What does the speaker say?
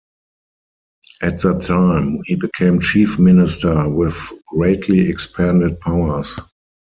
At that time, he became Chief Minister with greatly expanded powers.